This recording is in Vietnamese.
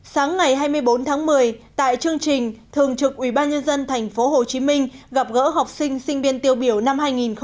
sáng ngày hai mươi bốn tháng một mươi tại chương trình thường trực ubnd tp hcm gặp gỡ học sinh sinh viên tiêu biểu năm hai nghìn một mươi chín